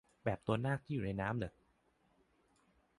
แบบตัวนากที่อยู่ในน้ำเหรอ